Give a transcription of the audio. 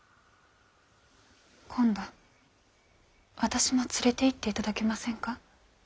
今度私も連れていっていただけませんか？